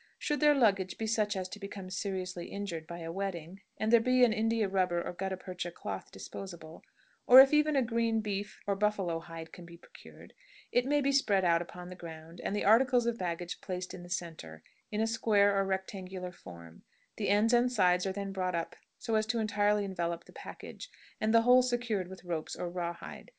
Should their luggage be such as to become seriously injured by a wetting, and there be an India rubber or gutta percha cloth disposable, or if even a green beef or buffalo hide can be procured, it may be spread out upon the ground, and the articles of baggage placed in the centre, in a square or rectangular form; the ends and sides are then brought up so as entirely to envelop the package, and the whole secured with ropes or raw hide.